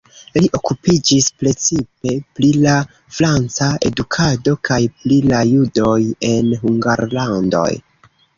Li okupiĝis precipe pri la franca edukado kaj pri la judoj en Hungarlando.